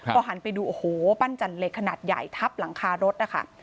พอหันไปดูโอ้โหปั้นจันเหล็กขนาดใหญ่ทับหลังคารถนะคะ